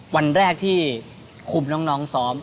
วันแรกที่คุมน้องซ้อม